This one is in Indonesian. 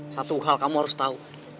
satu hal kamu harus tahu